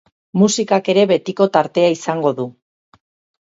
Musikak ere betiko tartea izango du.